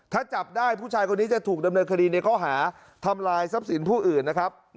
ถ้าจับได้ผู้ชายคนนี้จะถูกดำเนินคดีในข้อหาทำลายทรัพย์สินผู้อื่นนะครับ